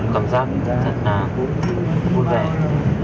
cảm giác thật là vui vẻ